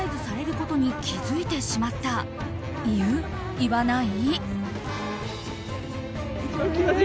言わない？